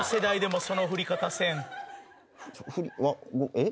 えっ？